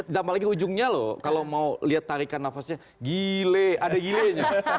dampak lagi ujungnya loh kalau mau lihat tarikan nafasnya gile ada gilenya